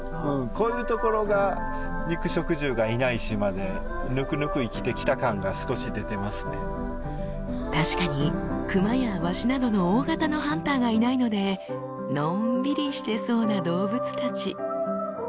こういうところが確かにクマやワシなどの大型のハンターがいないのでのんびりしてそうな動物たち。